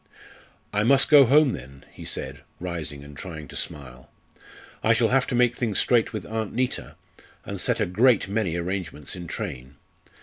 "I must go home then," he said, rising and trying to smile. "I shall have to make things straight with Aunt Neta, and set a great many arrangements in train.